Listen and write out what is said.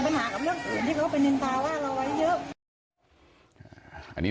ต้องแท้นะคือเขาเอาไปต่อจานเราในเฟส